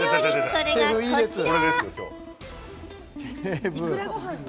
それがこちら。